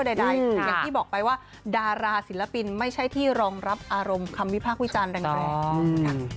ใดอย่างที่บอกไปว่าดาราศิลปินไม่ใช่ที่รองรับอารมณ์คำวิพากษ์วิจารณ์แรง